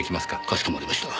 かしこまりました。